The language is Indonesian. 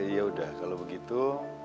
yaudah kalau begitu